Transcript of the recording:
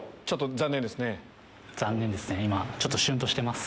残念ですね。